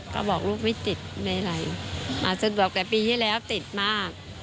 ก็บอกลูกไม่ติดไม่อะไรมาซึ่งบอกแต่ปีที่แล้วติดมาก